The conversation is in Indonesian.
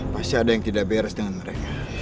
pasti ada yang tidak beres dengan mereka